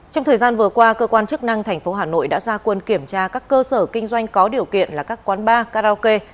trong thời gian vừa qua cơ quan chức năng tp hcm đã ra quân kiểm tra các cơ sở kinh doanh có điều kiện là các quán bar karaoke